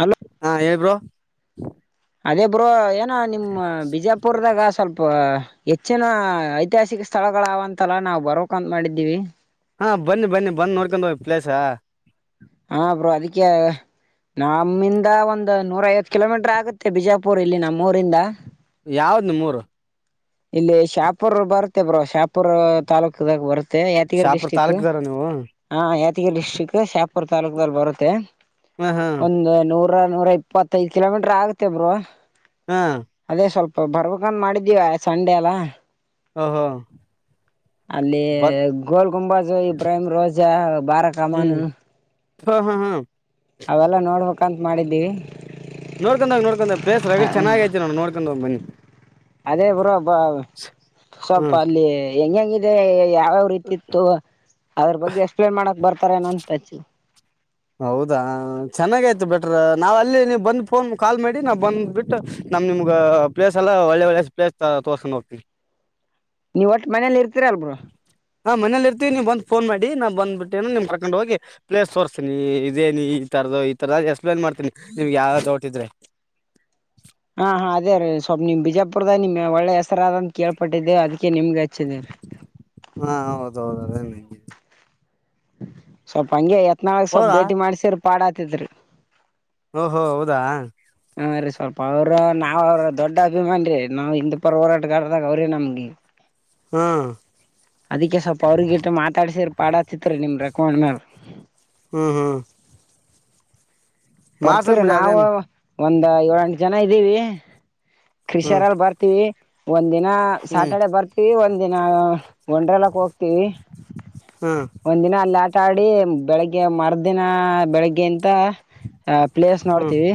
Hello ಹಾ ಹೇಳೇಬರು ಅದೇ ಬರು ಏನೋ ನಿಮ್ಮ ಬಿಜಾಪುರದಾಗ ಸ್ವಲ್ಪ ಹೆಚ್ಚಿನ ಐತಿಹಾಸಿಕ ಸ್ಥಳಗಳಾವಂತಲ್ಲಾ ನಾವವು ಬರಕಂತ ಮಾಡಿದ್ದೀವಿ ಹಾ ಬನ್ನಿ ಬನ್ನಿ ಬಂದ್ ನೋಡ್ಕೊಂಡ್ ಹೋಗ ಪ್ಲೇಸ ಹಾ ಅ್ರ ಅದಕ್ಕೆ ನಮ್ಮಿಂದ ಒಂದು ನೂರ ಐವತ್ತು ಕಿಲೋಮೀಟರ್ ಆಗುತ್ತೆ ಬಿಜಾಪುರ್ ಇಲ್ಲಿ ನಮ್ಮೂಊರಿಂದ ಯಾವ್ದು ಮೂರು ಇಲ್ಲಿ ಶಾಪೂರ್ ಬರುತ್ತೆ ಬ್ರೋ ಶಾಪೂರ್ ತಾಾಲೂಕದಾಗ ಬರುತ್ತ ಮ ಯಾದಗಿರಿ ಶಾಪುರ್ ಡಿಸ್ಟ್ರಿಕ್ ತಾಲೂಕ್ದಾರ ನೀವು ಹ ಡಿಸ್ಟ್ರಿಕ್ ಶಾಪುರ್ ತಾಲೂಕಲ್ಲಿ ಬರುತ್ತೆ ಹಾ ಹಾ ಒಂದು ನೂರು ನೂರ ಇಪ್ಪತ್ತೈದ್ ಕಿಲೋಮೀಟರ್ ಆಗತ್ತೇ ಬ್ರರು ಹ್ಮ್ ಬರ್ಬೇಕಂದ ಮಾಡಿದ್ದೀವ ಸಂಡೆ ಎಲ್ಲ ಹ ಹಾ ಅಲ್ಲಿ ಗೋಲ್ ಗುಂಬಾಜು ಇಬ್ರಹಿಮ್ ರೋಜಾ ಬಾರ ಹ್ಮ್ ಕಮಾನ ಹಾ ಹಾ ಹಾ ಅವೆಲ್ಲಾ ನೋಡ್ಬೇಕಂತ ಮಾಡಿದ್ದೀವಿ ನೋಡ್ಕೊಂಡೋಗಿ ನೋಡ್ಕೊಂಡ ಪ್ಲೇಸ್ ರ ಚೆನ್ನಾಗ ಐತಿ ನೋಡ ನೋಡ್ಕೊಂಡೋಗ್ ಬನ್ನಿ ಅದೇ ಬ್ರೋಬ ಸ್ವಲ್ಪ ಹ್ಮ್ ಅಲ್ಲಿ ಹೆಂಗ ಹೆಂಗಿದೆ ಯಾವ್ಯಾವ ರೀತಿತ್ತು ಅದ್ರ ಬಗ್ಗೆ ಎಕ್ಸ್ಪ್ಲೇನ್ ಮಾಡಕ್ ಬರ್ತ ರ ನಂತ ಚ ಹೌದಾ ಚೆನ್ನಾಗಯ್ತು ಬೆಟ್ರ ನಾವ್ ಅಲ್ಲಿ ನೀ ಬಂದ ಫೋನ್ ಕಾಲ್ ಮಾಡಿ ನಾವ್ ಬಂದ್ ಬಿಟ್ಟು ನಮ್ ನಿಮ್ಗ ಪ್ಲೇಸ್ ಎಲ್ಲ ಒಳ್ಳ ಒಳ್ಳೆ ಪ್ಲೇಸ್ ತೋರ್ಸ್ಕೊಂಡ್ ಹೋಗ್ತೀನಿ ನೀವ್ ಒಟ್ಟ ಮನೇಲಿ ಇರ್ತೀರ ಅಲ್ಬ ಹಾ ಮನೇಲಿ ಇರ್ತತಿ ನೀವು ಬ್ ನ್ ಮಾಡ ನಾ ಬ್ಬಿಟ್ಟೇಏ ನಿಮ್ ಕಕೊಂಡ ಹೋಗಿ ಪ್ಲೇ ತೋರಿಸತಿ ನೀ ಇದೇ ನೀ ಈ ತರದ ಈ ತರದ ಎಕ್ಸ್ಪ್ಲೇನ್ ಮಾಡ್ತೀನಿ ನಿಮ್ಗೆ ಯಾವ್ದ ತೋಡ್ತಿದ್ರೆ ಹಾ ಹಾ ಅದೇ ರೀ ಸ್ವಲ್ಪ್ ನಿಮ್ ಬಿಜಾಪುರ್ದ ನಿಮ್ ಒಳ್ಳೆ ಹೆಸರದಂತ ಕೇಳ್ಪಟ್ಟಿದ್ದೆ ಅದ ಅ ನಿಮ್ಗೆ ಹಚ್ಚಿದ ಹಾ ಹೌದೌದು ಅದೇನೆ ಸ್ವಲ್ಪ ಹಂಗೆ ಯತ್ನಾಳ್ಗ್ ಸ್ವಲ್ಪ್ ಹೌದಾ ಭೇಟಿ ಮಾಡ್ಸ್ರ ಪಾಡಾತಿದ್ರಿ ಓ ಹೊೋ ಹೌದಾ ಸ್ವಲ್ಪ ಅವ್ರರು ನಾವ ಅವ್ರ ದೊಡ್ಡ ಅಭಿಮಾನಿರಿ ನಾವ್ ಹಿಂದ್ ಪರ ಹೋರಾಟಗಾರದಾಗ ಅವ್ರಿ ನಮ್ಗೆ ಹ್ಮ್ ಅದಕ್ಕೆ ಸ್ವಲ್ಪ ಅವ್ರಗಿಟ ಮಾತಾಡ್ಸರ್ ಪಾಡತಿತ್ರಿ ನಿಮ್ ರೆಕಮಾಂಡ್ ಮೇಲ್ ಹ್ಮ್ ಹ್ಮ್ ಮಾಡ್ಸನ್ ಬರ್ತೀರಿ ಬಿಡಿ ಅದೇನ್ ನಾವವು ಒಂದ ಏಳ ಎಂಟು ಜನ ಇದ್ದೀವಿ ಹ್ಮ್ ಕ್ರೃಷಿಯರಲ್ಲಿ ಬರ್ತೀವಿ ಒಂದ್ ದಿನ ಹ್ಮ್ ಸಾಯಾಟರ್ಡೆ ಬರ್ತಿವಿ ಒಂದ್ ಒಿನ ಒಂಡ್ರಲ್ಲಕ್ ಹೋಗ್ತೀವಿ ಹ್ಮ್ ಒಂದಿನ ಅಲ್ಲ ಆ ಸ್ಟಾಡಿ ಬೆಳಿಗ್ಗೆ ಮರುದಿನ ಬೆಳಿಗ್ಗೆಂತ ತ ಪ್ಲೇಸ್ ಹ್ಮ್ ನೋಡ್ತೀವಿ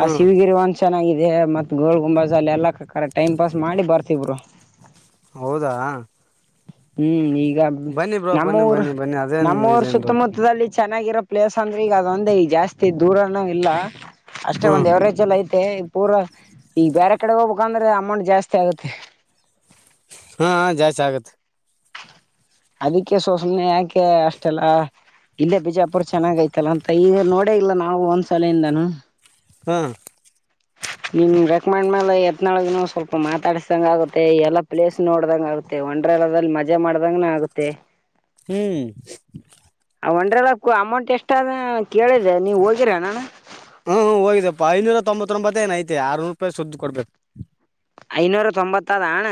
ಆ ಶಿವಗಿರಿ ಒಂದ್ ಚೆನ್ನಾಗ ಇದೇ ಮತ್ತ ಗೋಳ ಗುಂಬಸ ಅಲ್ಲ ಎಲ್ಲ ಕ ಟೈಮ್ ಪಾಸ್ ಮಾಡಿ ಬರ್ತವ್ರು ಹೌದಾ ಹ್ಮ್ ಈಗ ಬನ್ನಿ ಬ್ರೋ ನಮ್ಮ ಬನ್ನಿ ಊರು ಬನ್ನಿ ಬನ್ನಿ ಅದೇನ್ ನಮ್ಮ ರು ಇದೇನ್ ದೊಡ್ಡ ಸುತ್ತಮುತ್ತದಲ್ಲಿ ಚೆನ್ನಾಗಿರ ಪ್ಲೇಸ್ ಅಂದ್ರೆ ಈಗ ಅದೊಂದೇ ಈಗ ಜಾಸ್ತಿ ದೂರನೂ ಇಲ್ಲ ಅಷ್ಟೇ ಹ್ಮ್ ಒಂದ್ವರೇಜ್ ಎಲ್ಲ ಐ ಮತ್ತ ಪೂರಾ ಈಗ ಬೇರೆ ಕಡೆ ಹೋಗ್ಬೇಕಂದ್ರೆ ಅಮೌಂಟ್ ಜಾಸ್ತಿ ಆಗತ್ತೆ ಹಾ ಜಾಸ್ತಿ ಆಗತ್ತೆ ಅದಕ್ಕೆ ಸೋಸಮನೆ ಯಾಕೆ ಅಷ್ಟೆಲ್ಲ ಇಲ್ಲೇ ಬಿಜಾಪುರ್ ಚೆನ್ನಾಗೈತಲ್ಲ ಅಂತ ಈಗ ನೋಡ ಇಲ್ಲ ನಾವು ಒಂದ್ಸಲೆಯಿಂದಾನ ಹ್ಮ್ ನಿಮ್ ರೆಕಮೆಂಡ್ ಮೇ ಎತ್ನಾಳಗ ಸ್ವಲ್ಪ ಮಾತಾಡಿಸ್ದಂಗ ಆಗುತ್ತೆ ಎಲ್ಲ ಪ್ಲೇಸ್ ನೋಡ್ದಂಗ ಆುತ್ತೆ ಒ ದಲ್ಲಿ ಮಜಾ ಮಾಡ್ದಂಗನ ಆಗುತ್ತೆ ಹ್ಮ್ ಒನಲ್ಲ ಅಮೌಂಟ್ ಎಷ್ಟು ಅದ ಕೇಳಿದೆ ನೀವು ಹೋಗಿರ ನಾನ ಹ್ಮ್ ಹ್ಮ ಹೋಗಪ್ಪ ಐನೂರ ತೊತ್ತ್ತ ರೊಂಬತ್ತ ಏನ ಐತಿ ಆರುನೂರು ರೂಪಾಯಿ ಸುದ್ದು ಕೊಡ್ಬೇಕು ಐನೂರ ತೊಂಬತ್ತದಣ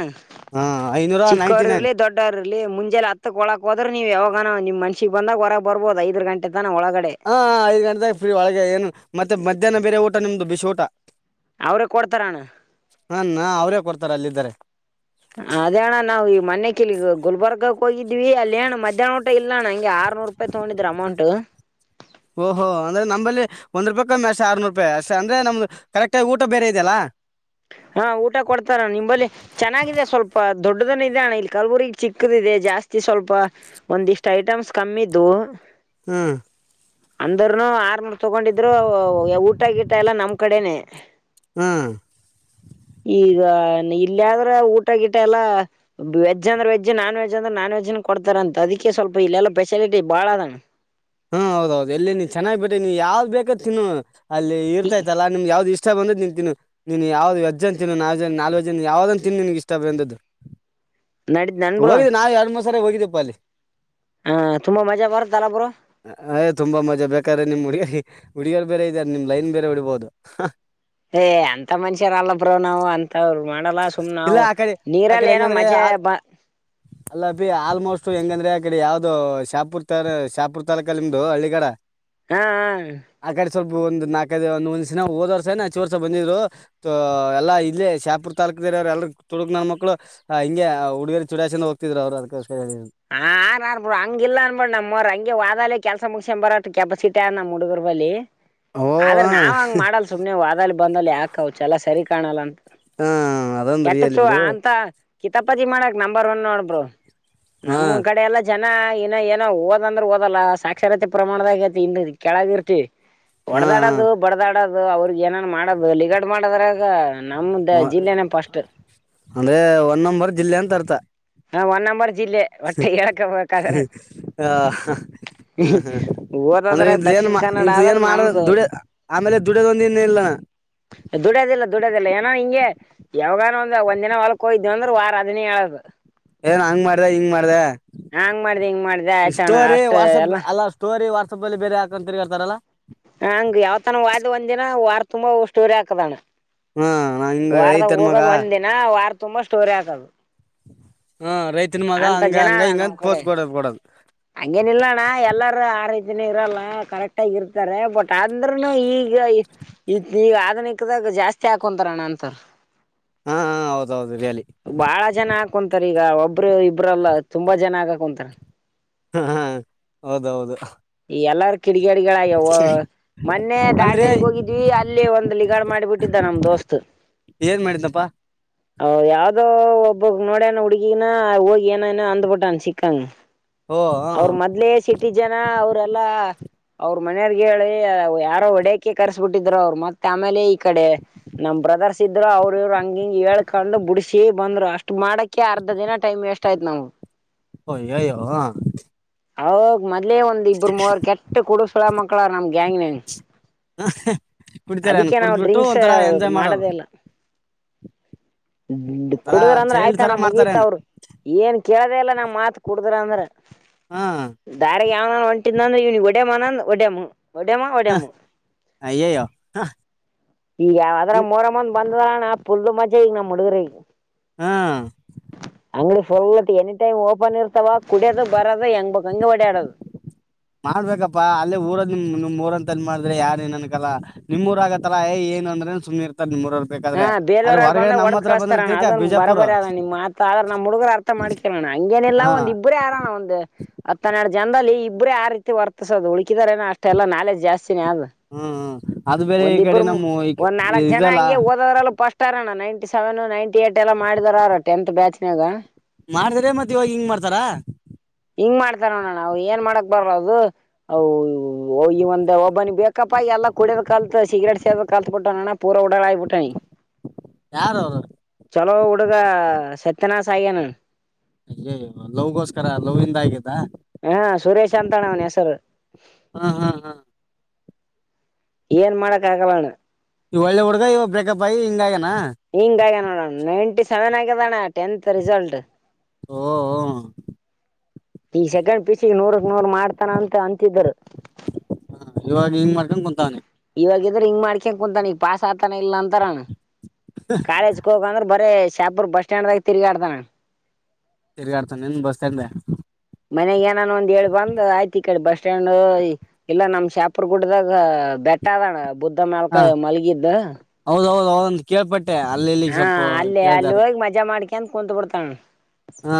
ಹಾ ಐನೂರ ನೈಂಟಿ ನೈನ್ ಚಿಕ್ಕವರ್ರ್ಲಿ ದೊಡ್ಡವ್ರ ಇಲ್ಲಿ ಮುಂಜೆ ಹತ್ತಕ್ ಒಳಕ್ ಹದ್ರೆ ನೀವು ಯಾವಾಗನೋ ನಿಮ್ಮ ಮನ್ಸಿಗೆ ಬಂದಾಗ ಹೊರಗ್ ಬರ್ಬಹದು ಐದು ಗಂಟೆ ತನ ಒಳಗಡೆ ಹಾ ಐದ್ ಗಂಟೆಗ ಫ್ರೀ ಒಳಗೆ ಏನು ಮತ್ತೆ ಮಧ್ಯಾಹ್ನ ಬೇರೆ ಊಟ ನಿಮ್ದು ಬಿಸಿ್ ಊಟ ಅವ್ರೇ ಕೊಡ್ತಾರಣ್ಣ ಹಾ ಅವರೇ ಕೊಡ್ತಾರೆ ಅಲ್ಲಿದ್ದಾರೆ ಅದೇಣ್ಣ ನಾವು ಈ ಮೊನೆೆ ಕಿಲಿಗೆ ಹೋಗ ಗುಲ್ಬರ್ಗಕ್ ಹೋಗಿದ್ವಿ ಅಲ್ಲಿಣ ಮಧ್ಯಾಹ್ನ ಊಟ ಇಲ್ಲ ನಂಗೆ ಆ ಓಹೋ ಅಂದ್ರೆ ನಂಬಲ್ಲಿ ಒಂದು ರೂಪಾಯಿ ಕಮ್ಮ ಅಷ್ಟೆ ಆರ್ನೂರು ರೂಪಾಯಿ ಅಷ್ಟ ಅಂದ್ರೆ ನಮ್ದು ಕರೆಕ್ಟಾಗಿ ಊಟ ಬೇರೆ ಇದೆಯಲ್ಲ ಹಾ ಊಟ ಕೊಡ್ತಾರ ನಿಂಬಲ್ಲಿ ಚೆನ್ನಾಗಿದೆ ಸ್ವಲ್ಪ ದೊಡ್ಡದನ್ ಇದ ಅಣ್ಣ ಇಲ್ಲಿ ಕಲ್ಬುರಿಗ್ ಚಿಕ್ಕ ಇದೆ ಜಾಸ್ತಿ ಸ್ವಲ್ಪ ಒಂದಿಷ್ಟ ಐಟಮ್ಸ್ ಕಮ್ಮಿದ್ದು ಹ್ಮ್ ಅಂದರುನು ಆರ್ನೂರು ತಗೊಂಡಿದ್ರು ಊಟ ಗೀಟ ಎಲ್ಲಾ ನಮ್ ಕಡೆನೆೇ ಹ್ಮ್ ಈಗ ಇಲ್ಲ ಆದ್ರೆ ಊಟ ಗಿಟ ಎಲ್ಲಾ ವೆಜ್ ಅಂದ್ರೆ ವೆಜ್ ನಾನ್ ವೆಜ್ ಅಂದ್ರೆ ನಾನ್ ವೆಜ್ ಕೊಡ್ತಾರ ಅಂತ ಅದಕ್ಕೆ ಸ್ವಲ್ಪ ಇಲ್ಲೆಲ್ಲ ಸ್ಪೆಷಾಲಿಟಿ ಬಾಳ ಅದ ಹ್ಮ ಹೌದೌದು ಎಲ್ಲಿ ನೀನ್ ಚೆನ್ನ್ ಬಿಟ್ರಿ ನೀ ಯಾವ್ದ್ ಬೇಕತ್ ತಿನ್ನು ಅಲ್ಲಿ ಇರ್ತಾಯತಲ್ಲ ನಿಮ್ ಯಾವ್ದ ಇಷ್ಟ ಬಂದದ್ ನಿಂತತಿನಿ ನೀನ್ ಯಾವ್ದು ವಜ್ಜ ಅ ತಿ ನಾಲ್ ಜ ನಾಲಜ್ಜ ಯಾವ್ದ ಅಂತ ತಿನ್ ನಿನ್ಗೆ ಇಷ್ಟ ಬಂದ್ದು ನಡಿದ ನನ್ಬ್ರ ಸರಿ ಹೋಗಿದ್ದಿಪ್ಪ ಅಲ್ಲಿ ಹಾ ತುಂಬಾ ಮಜಾ ಬರುತ್ತಲ್ಲಬ್ರು ಅಯ್ ತುಂಬಾ ಮಜಾ ಬೇಕಾದ್ರೆ ನಿಮ್ ಹುಡುಗ ಹುಡುಗಿಯರು ಬೇರೆ ಇದಾರೆ ನಿಮ್ ಲೈನ್ ಬೇರೆ ಉಡ್ಬಹದು ಏ ಅಂತ ಮನುಷ್ಯರ ಅಲ್ಲ ಬ್ರೋ ನಾವು ಅಂತವ್ರು ಮಾಡಲ್ಲ ಸುಮ್ ಇಲ್ಲ ನಾವು ಆ ಕಡೆ ಆ ನೀರಲ್ಲಿ ಕಡೆ ಏನೋ ಹೆಂಗಂದ್ರೆ ಮಜೆ ಆ ಬ ಅಲ್ಲ ಬಿ ಆ ಆಲ್ಮೋಸ್ಟ್ ಹೆಂಗಂದ್ರೆ ಆ ಕಡೆ ಯಾವ್ದದು ಶಾಪುರ್ ತ ಶಾಪುರ್ ತಾಲೂಕಾ ನಿಮು ಹಳ್ಳಿ ಕಡ ಹಾ ಹಾ ಸ್ವಲ್ಪ ಒಂದು ನಾಲ್ಕದು ಒಂದ ಒಂದ್ ದಿನ ಹೋದ ವರ್ಷ ಹಚ್ಚ ವರ್ಷ ಬಂದಿದ್ರು ಎಲ್ಲಾ ಇಲ್ಲೇ ಶಾಪ ತಲ್ಕ ಅವ್ರ ಎಲ್ರು ತುಡುಕ್ ನನ್ನ ಮಕ್ಕಳು ಹಿಂಗ ಆ ಹಡುಗಿರು ಚುಡ ಚಂದ ಹೋಗ್ತಿದ್ ಅವ್ ಅದ ಹ ಆರ್ಬಿಡು ಹಂಗಿಲ್ಲಾ ಅನ್ಬಿಡ್ ನಮಮ್ಮವ್ರ ಹಂಗೆ ವಾದೆ ಕೆಲ್ಸ ಮುಗ್ ಬರತ್ತತ್ ಕೆಪಾಸಿಟ ಆ ನಮ್ಮ ಹುಡುಗರು ಬಲ್ಲಿ ಓ ಆದ್ರೆ ಹಾಂ ನಾವ ಹಂಗ ಮಾಡಲ್ ಸುಮ್ನೆ ವಾದಲ್ಲಿ ಬಂದಲ್ ಯಾಕ ಅವ ಚೆಲ ಸರಿ ಕಾಣಲ್ಲಂತ ಹಾಂ ಅದೊಂದು ರಿಯಲ್ ಕೆಟ್ಟಚ್ಚು ಬಿಡು ಅಂತ ಕಿತಪತಿ ಮಾಡಕ್ ನಂಬರ್ ಒನ್ ನೋಡಬರು ನಮ್ಮ್ ಹಾಂ ಕಡೆ ಎಲ್ಲ ಜ ಇನ ಇನ್ನ ಏನೋ ಓದ ಅಂದ್ರೆ ಓದಲ್ಲ ಸಾಕ್ಷರತೆ ಪ್ರಮಾಣದಾಗತಿ ಇನ್ನು ಕೆಳದ ಇರ್ತಿ ಹಾಂ ಹೊಡದಾಡದು ಹಾಂ ಬಡದಾಡೋದು ಅವ್ರಗ್ ಏನನ್ ಮಾಡೋದು ಲಗಡ್ ಮಾಡದ್ರ ಈಗ ನಮ್ದ ಜಿಲ್ಲೆನ ಪಸ್ಟ್ ಅಂದರೆ ಒನ್ ನಂಬರ್ ಜಿಲ್ಲೆ ಅಂತ ಅರ್ಥ ಹಾ ಒನ್ ನಂಬರ್ ಲ್ಲೆ ಹೊಟ್ಟೆ ಹೇಳ್ಕೊಬೇಕಾದ್ರೆ ಆ, ಊದದ್ರ ಏನ್ ಇ ಏನ್ ಮಾಡ ದುಡ ಆಮೇಲೆ ದುಡ್ಯದ ಒಂದ ಇನ್ ಇಲ್ಲ ದುಡದ ಇಲ್ಲ ದುಡದ ಇಲ್ಲ ಏನಾ ಇಂಗ ಯಾವಾಗಾನ ಒಂದ ಒಂದ್ನ ಹೊಲ್ಕ್ಕ ಹಯ್ವ ಅಂದ್ರ ವಾರ ಅದನೇ ಹೇಳದು ಏನ್ ಹಂಗ್ ಮಾಡ್ದ ಹಿಂಗ್ ಮಾಡ್ದ ಹಂಗ್ ಮಾಡ್ದ ಹಿಂಗ್ ಮಾಡ್ದ ಆಯ್ತಣ ಸ್ಟೋರಿ ಅಷ್ಟ ವಾಟ್ಸಪ್ ಎಲ್ಲ ಅಲ್ಲ ಸ್ಟೋರಿ ವಾಟ್ಸಪ್ ಅಲ್ಲಿ ಬೇರೆ ಹಾಕಂತರ್ಗಳ್ತಾರಲ್ಲ ಹಂಗ ಯಾವ್ತನ ವಾಯ್ದ್ ಒಂದ್ ದಿನ ವಾರ ತುಂಬಾ ಸ್ಟೋರಿ ಹಾಕದಣ್ಣ ಹಾ ನಾ ಹಿಂಗ ವಾರದಾಗ ರೈತನ್ ಮಗ ಹೋಗೋದ್ ಒಂದ್ ದಿನ ವಾರ ತುಂಬಾ ಸ್ಟೋರಿ ಹಾಕದು ಹ ರೈತನ ಮಗ ಹಂಗ ಹಂಗ ಹಿಂಗಂತ ಪೋಸ್ಟ್ ಕೊಡ ಕೊಡದು ಹಂಗೇನ ಇಿಲ್ಲಣ್ಣ ಎಲ್ಲಾರ ಆ ರೈತಿನ ಇರಲ್ಲ ಕರೆಕ್ಟ್ ಆಗ ಇರ್ತಾರೆ ಬಟ್ ಅಂದ್ರನು ಈಗ ಈಗ ಅ ಕದಾಗ ಜಾಸ್ತಿ ಹಾಕೊಂತಾರ ಅಣ್ಣ ಅಂತಾರ ಹಾ ಹ ಹೌದೌದು ರಿಯಲಿ ಬಾಳ ಜನ ಆಕೊಂತಾರ ಈಗ ಒಬ್ರು ಇಬ್ರಲ್ಲ ತುಂಬಾ ಜನ ಆಗಾಕ ಕುಂತಾರ ಹ ಹೌದೌದು ಕಿಡಿಗಾಡಿಗಳ ಅಯ್ಯವ ಮೊನ್ನೆ ಅಂದ್ರೆ ದಾಂಡೇಲಿಗ್ ಹೋಗಿದ್ವಿ ಅಲ್ಲೇ ಒಂದ್ ಲಿಗಾಡ್ ಮಾಡಿಬಿಟ್ಟಿದ್ದ ನಮ್ ದೋಸ್ತ್ ಏನ್ ಮಾಡಿದ್ದಪ್ಪಾ ಹ್ ಯಾವ್ದೋ ಒಬ್ಬಕ್ ನೋಡ್ಯನ ಹುಡ್ಗಿಗನ ಹೋಗಿ ಏನ ಏನೋ ಅಂದ್ಬಿಟ್ಟನ್ ಸಿಕ್ಕಂಗ ಓ ಹ ಅವ್ರ ಮೊದ್ಲೆೇ ಸಿಟಿ ಜನ ಅವ್ರಲ್ಲಾ ಅವ್ರ ಮನೆಯವರ್ಗೆ ಹೇಳಿ ಯಾರೋ ಒಡಕೆ ಕರ್ಸಬಿಟ್ಟಿದ್ರು ಅವ್ರು ಮತ್ತೆ ಆಮೇಲೆ ಈ ಕಡೆ ನಮ ಬ್ರದರ್ಸ್ ಇದ್ರರು ಅವ್ರ ಹಂಗಿಂಗ ಹೇಳ್ಕೊಂಡು ಬಿಡ ಸೇ ಬಂದ್ರು ಅಷ್ಟ್ ಮಾಡಕ ಅರ್ಧ ದಿನ ಟೈಮ್ ವೇಸ್ಟ್ ಆಯ್ತು ನಮಗೆ ಹ ಯಯೋ ಹ ಅವ ಮೊದ್ಲೆೇ ಒಂದ್ ಇಬ್ಬರು ಮೂವರ್ ಕೆಟ್ಟ ಕುಡ್ಸ್ಳ ಮಕ್ಕಳ ನಮ್ ಗ್ಯಾಂಗ್ನ್ಂಗ ಕುಡಿತಾರೇನು ಅದಕ್ಕೆ ನಾವು ಕುಡ್ದ್ಬಿಟ್ಟು ಡ್ರಿಂಕ್ಸ್ ಒಂಥರ ಎಂಜಾಯ್ ಮಾಡೋದು ಮಾಡದೆಲ್ಲ ಒಂಥರ ಕುಡುದ್ರ ಅಂದ್ರೆ ಚೈಲ್ಡ್ ತರ ಆಯ್ತಣ್ಣ ಮುಗಿಯತ ಮಾಡ್ತಾರೇನು ಅವ್ರು ಏನ್ ಕೆೇಳದೆ ಎಲ್ಲ ನಾ್ ಮಾತ್ ಕುಡುದ್ರ ಅಂದ್ರ ಹಾ ದಾರಿಿಗೆ ಯಾವ ಒಂಟ್ ಅಂದ್ರ ಇವನಿಗೆ ಒಡೆಮನಂದನ್ ಒಡೆಮ ಒಡೆಮ್ಮ ಹ ಒಡೆಮ್ಮ ಅಯ್ಯಯ್ಯೋ ಈಗ ಯಾವದ್ರ ಮೋರಮ್ಮನ್ ಬಂದರಣಾುಲ್ಲು ಮಜ್ ಈ ನಮ್ಮ ಮುಡುಗರ ಹ್ಮ್ ಅಂಗ್ಡಿ ಫಲ್ತ್ ಎಿ ಟೈಮ್ ಓಪನ್ ಇರ್ತಾವ ಕುಡಿಯೋದು ಬರೋದು ಹೆಂಗ್ ಬ ಹಂಗ ಹೊಡ್ಯಾಡದು ಮಾಡ್ಬೇಕಪ್ಪಾ ಅಲ್ಲೇ ಊರ ನಿಮ್ ನಿಮ್ ಊರಂತನ್ ಮಾಡಿದ್ರೆ ಯಾರ ನನ್ಕಲ್ಲ ನಿಮ್ ಊರ ಆಗತ್ತಲ್ಲಾ ಏ ಏ ಅಂದ್ರೆ ಸುೀರ್ತ ನಿ ಹಾ ಬೇಲವರರು ಬಂದಾಗ ಒಡದ್ ಕಳಸ್ತಾರಣ ತಿರ್ಗಾ ಅದನ್ ಬರ ಬಿಜಾಪುರ್ ಬಬರಿ ಅದಣ ನಿಮ್ಮ್ತ್ ಆದ್ರ ನಮ್ಮ್ ಹುಡುಗರು ಅರ್ಥ ಮಾಡ್ಕರಣ್ಣ ಹಂಗೇನೆಲ್ಲ ಹಾ ಒಂದ್ ಇಬ್ಬರೇ ಆರೋಣ ಒಂದು ಹತ್ತನಡ್ದ ಜನದಲ್ಲಿ ಇಬ್ಬ್ರೇ ಆ ರೀತಿ ವರ್ತಿಸೋದು ಉಳಕಿದಾರೇನ ಅಷ್ಟೆ ಎಲ್ಲ ನಾಲೆಜ್ ಜಾಸ್ತಿನೇ ಅದು ಹ್ಮ್ ಹ್ಮ್ ಅದು ಬೇರೆ ಈ ಕಡೆ ಒಂದಿಬ್ಬರು ನಮ್ಮ ಈ ಒಂದ್ ನಾಲ್ಕಕ್ ಜನ ಇದಲ್ಲ ಹಂಗೆ ಓದವ್ರಲ್ಲ ಪಷ್ಟಾರಣ ನ ನೈಂಟಿ ಸೆವೆನ್ ನೈಂಟ ಏಟ್ ಎಲ್ಲ ಮಾಡಿದಾರ ಟೆಂತ್ ಬ್ಯಾಚ್ ನಾಗ ಮಾಡ್ದ್ರೆ ಮತ್ತೆ ಇವಾಗ ಹಿಂಗ ಮಾಡ್ತಾರ ಹಿಂಗ ಮಾಡತಾರೋಣ ನವು ಏನ್ ಮಾಡಕ್ ಬರದು ಅ ಈ ಒಂದ ಒಬ್ಬನಿ ಬೇಕಪ್ಪ ಎಲ್ಲಾ ಕುಡಿಯದ ಕಲ್ತ್ ಸಿಗ್ರೇಟ್ ಸೇದ ಕಲ್ಸುಟ್ಟ ನ್ಣ ಪೂರ ಉಡರ್ ಆಗಿಟ್ಟಾನಿ ಯಾರ ಅವ್ರರು ಚಲೋ ಹುಡುಗ ಸತ್ಯನಾ್ ಆ್ಯಾನ ಅಯ್ಯೇ ಲವ್ಗೋಸ್ಕರ ಲವ್ದ ಆಗಿದೆ ಹಾ ಸುರೇಶ್ ಅಂತಣ್ಣ ಅವನ ಹೆಸರು ಹಾ ಹಾ ಹಾ ಏನ್ ಮಾಡಕ್ ಆಗಲ್ಲಣ ಇ ಒಳ್ಳ ಹುಗವ ಬ್ರೇಕಪ್ ಆಗಿ ಹಿಂಗ ಹಿಂಗಗ ನೋಡೋಣ ನೈನ್ಟಿ ಸೆವೆನ್ ಆಗ್ಯದಣ್ಣ ಟೆಂತ್ ರಿಸಲ್ಟ್ ಓ ಹ ಈ ಸೆಕೆಂಡ್ ಪಿಸಿಿಗೆ ನೂರಕ್ ನೂರ್ ಮಾಡ್ತಾನ ಅಂತ ಅಂತಿದರು ಹಾ ಇವಾಗ ಹಿಂಗ ಮಾಡ್ಕೊಂಡು ಕುಂತಾನೆ ಇವಾಗಿದ್ರೆ ಹಿಂಗ್ ಮಾಡ್ಕೊಂಡ ಕುೂಂತತಾನ ಈಗ ಪಾಸ್ ಆತಾನ ಇಲ್ಲ ಅಂತಾರಣ ಕಾಲೇಜಕ್ ಹೋಗ ಅಂದ್ರ ಬರ ಶ್ಯಹಪುರ್ ಬಸಡ್ಗ ತ ತಿರುಗಾಡ್ತಾನ ತಿರ್ಗಾ ಆಡ್ತಾನ ನಿನ್ ಬಸ್ತಗ್ದ ಮನೆಗ್ ಏನಾನ ಒಂದ್ ಹೇಳ್ ಬಂದ್ ಆಯ್ತಿ ಈ ಕಡೆ ಬ ಸ್ಟ್ಯಾಂಡ್ ಇಲ್ಲ ನಮ್ ಶಾಪುರ್ ಗುಡ್ಡ್ದಾಗ ಬೆಟ್ಟ ಅದಣ ಬುದ್ಧ ಮಕಾಯ ಮಲಗಿದ್ದ ಒಂದು ಕೇಳ್ಪಟ್ ಹಾ ಅಲ್ಲೇ ಅಲ್ಲಿ ಹೋಗಿ ಮಜಾ ಮಾಡ್ಕಂತ ಕುಂತ್ ಬಿಡ್ತಾಳೆ ಹಾ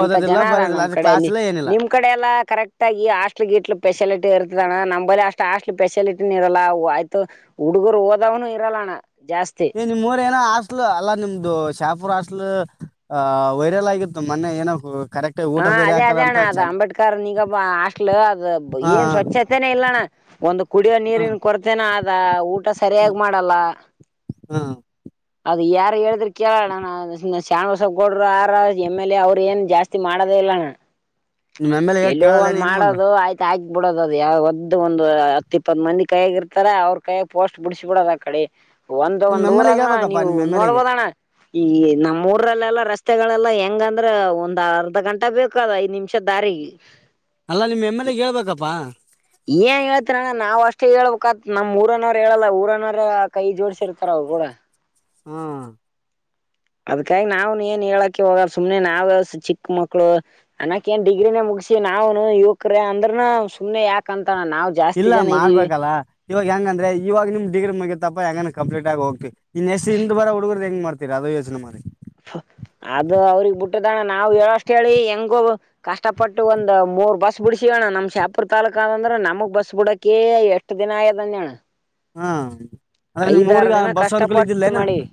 ಅಂತ ಜನ ಅದಣ ಬರೋದಿಲ್ಲ ನಮ್ ಅದ ಕಡೆ ಕ್ಲಾಸ್ ಇಲ್ಲ ಏನಿಲ್ಲ ನಿಮ್ ಕಡೆ ಎಲ್ಲಾ ಕರೆಕ್ಟ್ ಆಗಿ ಹಾಸ್ಟ್ಲ್ ಗಿಟ್ಲು ಸ್ಪೆಷಲಿಟಿ ಇರ್ತದಣ್ಣ ನಮ ಅಷ್ಟ ಅಷ್ಲ ಫೆಲಿಟಿನ ಇರಲ್ಲ ಆಯ್ತು ಹುಡುಗರು ಹೋದವ್ನು ಇರಲ್ಲಣ ಜಾತಿ ಏ ನಿಮ್ ಊರ ಏನ ಆಸ್ಲು ಅಲ್ಲಾ ನಿಮ್ದು ಶಾಪುರಸ್ಲ್ ಅ ವೈರಲ್ ಆಗಿತ್ತು ಮೊನ್ನೆ ಏನೊ ಹಾ ಅದೇ ಅದೇ ಅಣ್ಣ ಅದ ಅಂಬೇಡ್ಕರ್ ನಿಗ ಹಾಸ್ಟ್ಲ್ ಅದು ಹಾ ಏನ್ ಸ್ವಚ್ಛತೆನೇ ಇಲ್ಲ ಅಣ್ಣ. ಒಂದು ಕುಡಿಯೋ ಹಾ ನೀರಿನ್ ಕೊರ್ತೆನ ಆದ ಊಟ ಹ್ಮ್ ಸರಿಯಾಗಿ ಮಾಡಲ್ಲ. ಹಾ ಅದು ಯಾರು ಹೇಳಿದ್ರು [unintelligible] ಕಾಣಸ್ ಒಗ್ಗಡರು ಆರ ಎಮ್ ಎಲ್ ಎ ಅವ್ರು ಏನ್ನು ಜಾಸ್ತಿ ಮಾಡೋದೇ ಇಲ್ಲಣ್ಣ. ನಿಮ್ ಎಮ್ ಎಲ್ ಎ ಎಲ್ಲಯೋ ಕೇಳಲ್ಲ ಒಂದ್ ನೀನ್ ಬಂದು ಮಾಡೋದು ಆಯ್ತು ಹಾಗೆ ಬಿಡೋದ ಅದ್ ಯಾವ ಒದ್ದ ಒಂದು ಹತ್ ಇಪ್ಪತ್ ಮಂದಿ ಕೈಯಗ ಇರ್ತಾರ ಅವ್ರ ಕೈಯ ಪೋಸ್ಟ್ ಬಿಡಸ ಬಿಡೋದ್ ಆ ಕಡೆ. ಒಂದು ನಿಮ್ ಒಂದ್ ಎಮ್ ಎಲ್ ಎ ಊರಾಗನ ಹೇಳ್ಬೇಕಪ್ಪಾ ನೀವು ನಿಮ್ ಎಮ್ ಎಲ್ ಎ ಗೆ ನೋಡ್ಬೋದಣ್ಣ ಈ ನಮ್ಮ್ ಊರಲ್ಲೆಲ್ಲಾ ರಸ್ತೆಗಳೆಲ್ಲ ಹೆಂಗ್ ಹೆಂಗಂದ್ರ ಒಂದ್ ಅರ್ಧ ಗಂಟಾ ಬೇಕದ ಐದ್ ನಿಮಿಷ ದಾರಿಗೆ. ಅಲ್ಲ ನಿಮ್ ಎಮ್ಮೆಲೆ ಹೇಳ್ಬೇಕಪ್ಪಾ. ಏನ್ ಹೇಳ್ತಿರಣ್ಣ ನಾವ್ ಅಷ್ಟೇ ಹೇಳ್ಬೇಕತ್ ನಮಮ್ಮ ಊರನವರು ಹೇಳಲ್ಲ ಊರನವರ ಕೈ ಜೋಡ್ಸಿರ್ತಾರ ಅವರ್ [unintelligible] ಹಾ ಅದ್ಕಾಗಿ ನಾವ್ ಏನ್ ಹೇಳಕ್ಕೆ ಹೋಗಲ್ಲ ಸುಮ್ನೆ ನಾವು ಚಿಕ್ಕ ಮಕ್ಳು ಅನ್ನಕ್ ಏನ್ ಡಿಗ್ರಿನೇ ಮುಗ್ ಸಿ ನಾವ್ನು ಯುವಕ್ರ ಅಂದ್ರನು ಸುಮ್ನೆ ಯಾಕಂತ್ ಇಲ್ಲ ಮಾಡ್ಬೇಕಲ್ಲಾ ಇವಾಗ ಹೆಂಗಂದ್ರೆ ಇವಾಗ ನಿಮ್ ಡಿಗ್ರಿ ಮುಗತ್ತಪ್ಪ ಹೆಂಗ ಕಂಪ್ಲೀಟ್ ಆಗಿ ಹೋಗ್ತಿವಿ. ಇನ್ ಎಸ್ ಹಿಂದ ಬರ ಹುಡುಗದ ಹೆಂಗ ಮಾಡ್ತಿೀ ಅದು ಯೋಚನೆ ಮಾಡಿ ಅದು ಅವ್ರಗ್ ಬಿಟ್ಟದಣ್ಣ ನಾವು ಹೇಳಷ್ಟ ಹೇಳಿ ಹೆಂಗು ಕಷ್ಟಪಟ್ಟು ಒಂದು ಮೂರ್ ಬಸ್ ಬಿಡಸಿವಣ ನಮಮ್ಮ ಶಾಪುರ್ ತಾಲೂಕ ಅದಂದ್ರೆ ನಮಗ್ ಬಸ್ ಬಿಡಕೆ ಎಷ್ಟ್ ದಿನ ಆಯ್ಯದಂಜಣ್ಣ ಹಾ ಅಂದ್ರೆ ನಿಮ್ ಊಗ ಬಸ್ ಕಷ್ಟಪಟ್ಟು ಅನ್ಕೊಲ್ಲಕಿಲ್ಲೆನು ಇದ್ದಿಲ್ಲೇನ ಮಾಡಿವಿ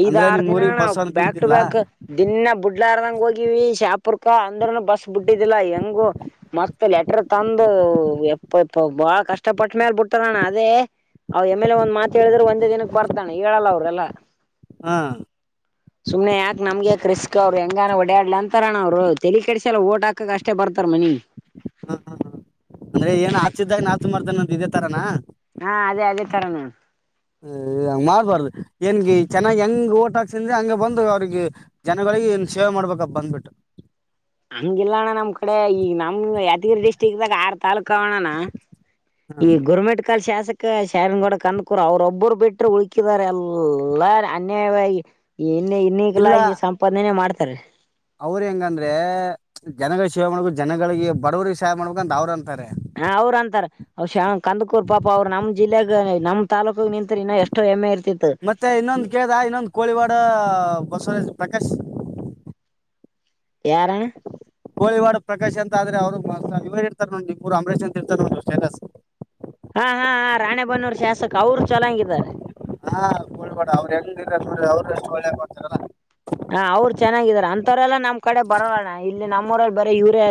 ಐದ್ ಅಂದ್ರೆ ಆರ್ ನಿಮ್ ಊರಿಗೆ ದಿನಣ್ಣ ಬಸ್ ಅನುಕೂಲ ಬ್ಯಾಕ್ ಟು ಇದ್ದಿಲ್ಲಾ ಬ್ಯಾಕ್ ದಿನಾ ಬುಡ್ಲಾರದಂಗ ಹೋಗಿವಿ ಶಾಪ್ ಪುರ್ಕ ಅಂದ್ರನು ಬಸ್ ಬಿಟ್ಟಿದ್ದಿಲ್ಲ ಹೆಂಗು ಮತ್ತ್ ಲೆಟ್ರ ತಂದು ಎಪ್ಪ ಬಹಳ ಕಷ್ಟಪಟ್ಟ ಮೇಾಲ ಬಿಟ್ಟಾರಣ್ಣ ಅದೇ ಅವ ಎಮೇಲೆ ಒಂದ್ ಮಾತ ಹೇಳಿದ್ರರು ಒಂದೇ ದಿನಕ್ಕೆ ಬರ್ತಾನೆ ಹೇಳಲ್ಲ ಅವ್ರಲ್ಲಾ ಹ ಸುಮನೆ ಯಾಕ್ಮ್ಗೆ ಯಾಕ್ ರಿಸ್ಕ್ ಅವ್ರು ಹೆಂಗಾನ ಡಾಡ್ಲ ಅಂತಾರಣ ಅವ್ರು ತಲಿ ಕಡಸ ಎಲ್ಲ ಓಟ್ ಹಾಕಕ್ ಅಷ್ಟೇ ಬರ್ತಾರೆ ಜರ್ಮನಿ ಹಾ ಹಾ ಅಂದ್ರೆ ಏನ್ ಆತಿದ್ದಾಗ ಆತ ಮರ್ದನಂತ ಇದೇ ತರಾನ ಹಾ ಅದೇ ಅದೇ ತರ ನಾನನ್ ಹ ಮಾಡ್ಬಾರ್ದು ಏನ್ಗೆ ಚೆನ್ನಾಗಿ ಹೆಂಗ್ ಓಟ್ ಹಾಕ್ಸಿದ್ರೆ ಹಂಗ ಬಂದು ಅವ್ರಿಗೆ ಜನಗಳಿಗೆ ಏನ್ ಸೇವೆ ಮಾಡ್ಬೇಕಪ್ಪ ಬಂದ್ಬಿಟ್ಟು ಹಂಗಿಲ್ಲ ಅಣ್ಣ ನಮ್ ಕಡೆ ಈಗ ನಮ್ ಯಾದಗಿರಿ ಡಿಸ್ಟ್ರಿಕ್ದಾಗ ಆರ್ ತಾಾಲೂಕ್ ಕಣಣ ಹಾ ಈ ಗುರುಮೆಟ್ಕಲ್ ಶಾಸ್ ಶಾರಗಡ ಕಂದಕೂರು ಅವ್ರೊಬ್ಬರು ಬಿಟ್ಟ್ರ ಉಳಕಿದಿದ್ದಾರೆ ಎಲ್ಲ ಅನ್ಯವಾಗಿ ಏ ಇನ್ನೆ ಇನ್ನ ಕಲಾ ಇಲ್ಲ ಸಂಪಾದನೆ ಮಾಡ್ತಾರೆ ಅವ್ರ ಹೆಂಗಂದ್ರೆ ಜನಗಳ ಸೇವೆ ಮಾಡ್ಬೇಕ ಜನಗಳಿಗೆ ಬರವ್ರಿಗೆ ಸೇವೆ ಮಾಡ್ಬೇಕು ಅಂದ ಅವ್ರ ಅಂತಾರೆ ಹಾ ಅವ್ರ ಅಂತಾರ ಅವ ಶ ಕಂದಕೂರ್ ಪಾಪ ಅವ್ರ ನಮ್ಮ ಜಿಲ್ಲೆಗ ನಮ್ಮ ತಾಲೂಕ ನಿಂತ ಇನ್ನ ಎಷ್ಟೋ ಹೆಮ್ಮೆ ಇರ್ತ ಮತ್ತೆ ಇನ್ನೊಂದು ಕೇಳ್ದ ಇನ್ನೊಂದ ಕೋಳಿವಾಡ ಬಸವರಾಜ್ ಪ್ರಕಾಶ್ ಯಾರಣ ಕೋಳಿವಾಡು ಪ್ರಕಾಶ್ ಅಂತ ಆದ್ರೆ ಅವ್ರು ಇವರು ಇರ್ತಾರೆ ನೋಡಿ ಇರು ಅಂಬರೀಶ್ ಅಂದ ಇರ್ತಾರೆ ನೋಡರು ಸ್ಟೇಟಸ್. ಹಾ ಹಾ ಹ ರಾಣೆ ಬನ್ನೂರು ಶಾಸಕ ಅವರು ಚನ್ನಂಗಿದ್ದಾರೆ. ಹಾ ಕೋಳ್ಬಡ ಅವ್ರು ಹೆಂಗಿರ ಅವ್ರರು ಎಷ್ಟು ಒಳ್ಳೆ ಕೊಡ್ತಾರಲ್ಲಾ. [unintelligible] ಅಂತವರೆಲ್ಲಾ ನಮ್ ಕಡೆ ಬರಲ್ಲಣ ಇಲ್ಲಿ ನಮ್ಮವರಲ್ಲಿ ಬರೀ ಇವರೇ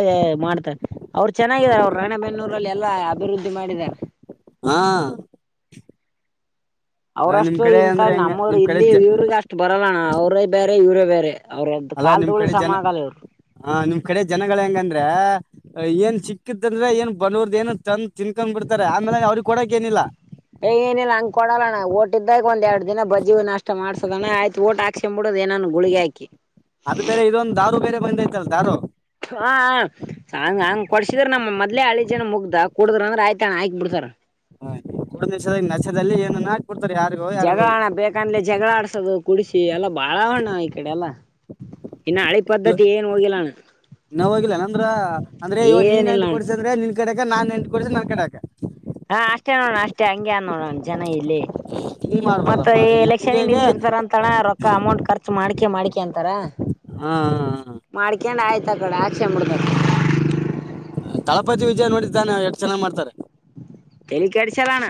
ಮಾಡ್ತಾರೆ. ಅವ್ರು ಚೆನ್ನಾಗಿದ್ದಾರೆ ಅವ್ರು ರಾಣೆಬೆನ್ನೂರಲ್ಲಿ ಎಲ್ಲಾ ಅಭಿವೃದ್ಧಿ ಮಾಡಿದ್ದಾರೆ. ಹಾ. ಅಲ್ಲ ನಿಮ್ ಅವ್ರಷ್ಟು ಕಡೆ ಇಥ ಅಂದ್ರೆ ಹೆಂಗ ನಮ್ಮರು ನಿಮ್ ಕಡೆ ಇಲ್ಲಿ ಜ- ಇವ್ರಿಗೆ ಅಷ್ಟು ಬರಲ್ಲಣ್ಣ ಅವರೇ ಬೇರೆ ಇವ್ರೇ ಬೇರೆ. ಅವ್ರದ್ದ ಅಲ್ಲಾ ಕಾಲ್ ನಿಮ್ ಧೂಳಿ ಕಡೆ ಸಮ ಜನ ಆಗಲ್ಲ ಇವ್ರು ಹ ನಿಮ್ ಕಡೆ ಜನಗಳ ಹೆಂಗಂದ. ಏನ್ ಚಿಕ್ಕತ್ ಅಂದ್ರೆ ಏನ್ ಬಂದೋರ್ದ ಏನು ತಂತ. ತಿನ್ಕೊಂಡ್ ಬಿಡ್ತಾರೆ ಆಮೇಲೆ ಅವ್ರಿಗೆ ಕೊಡಕ ಏನಿಲ್ಲ. ಏ ಏನಿಲ್ಲ ಹಂಗ್ ಕೊಡಲ್ಲಣ ಓಟಿದ್ದಾಗ ಒಂದ್ ಎರಡ್ ದಿನ ಬಜ್ಜಿ ನಷ್ಟ ಮಾಡ್ಸ. ಸದ ಆಯ್ತ ವೋಟ್ ಹಾಕ್ಸ್ಕೊ ಬಿಡೋದ ಏನಾದ್ರು ಗುಳಿಗೆ ಹಾಕಿ. ಅದು ಬೇರೆ ಇದೊಂದು ದಾರು ಬೇರೆ ಬಂದೈತಲ್ಲ ದಾರು. ಹ ಹಂಗ ಹಂಗ್ ಕೊಡ್ಸಿದ್ರ ನಮ್ಮ್ ಮದ್ಲೆ ಹಳಿ ಜನ ಮುಗ್ದ ಕುೂಡಿದ್ರ ಅಂದ್ರೆ ಆಯ್ತಣ ಆಯಕ್ ಬಿಡ್ತಾರ. ಹ ಕುಡುತಿಸ ನಶೆಯಲ್ಲಿ ಏನೇನು. ಜಗಳಣ ಬೇಕಂದಲೆ ಜಗಳ ಆಡ್ಸೋದು ಕುಡಿಸಿ ಎಲ್ಲ. ಬಾಳ ಅವಣ್ಣ್ ಈ ಕಡೆ ಎಲ್ಲಾ ಇನ್ನು ಹಳಿ ಪದ್ಧತಿ ಏನ್ ಹೋಗಿಲ್ಲಣ್ಣ. ಇನ್ನ ಹೋಗಿಲ್ಲಾ ಅಂದ್ರ ಅಂದ್ರೆ ಇವ ನೀನ್ ಏನಿಲ್ಲ ನೈಂಟಿ ಅಣ್ಣ ಕೊಡಡ್ಸ ಅಂದ್ರೆ ನಿನ್ ಕಡೆಕ ನಾನ್ ಎಂಟು ಕೊಡ್ಸ ನನ್ ಕಡೆಕೆ. ಹಾ ಅಷ್ಟೇ ನೋಡಣ ಅಷ್ಟೇ ಹಂಗಗೆ ನೋಡೋಣ ಜನ ಇಲ್ಲಿ. ಹಿಂಗ್ ಮತ್ತ ಮಾಡ್ಬಾರ್ದಪ್ಪಾ ಈ ಎಲೆಕ್ಷನ್ಗೆ ಹಿಂಗಗೆ ನಿಂತಿರ್ತಾರ ಅಂತಣ ರೊಕ್ಕ ಅಮೌಂಟ್ ಖರ್ಚು ಮಾಡ್ಕೆ ಮಾಡ್ಕೆ ಅಂತಾರ. ಹೂ. ಮಾಡ್ಕೊಂಡು ಆಯ್ತ ಕಡೆ ಆಚೆ ಮುಡ್ದ. ತಳಪತಿ ವಿಜಯ ನೋಡಿದ್ದಾನೆ ಎಷ್ಟು ಚೆನ್ನ ಮಾಡ್ತಾರೆ. ಚಲಣ.